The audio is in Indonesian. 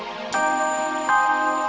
terima kasih bang